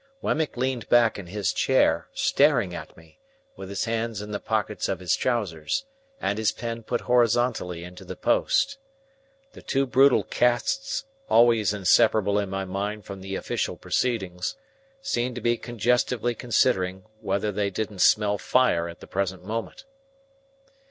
Wemmick leaned back in his chair, staring at me, with his hands in the pockets of his trousers, and his pen put horizontally into the post. The two brutal casts, always inseparable in my mind from the official proceedings, seemed to be congestively considering whether they didn't smell fire at the present moment.